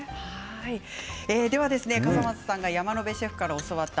笠松さんが山野辺シェフから教わった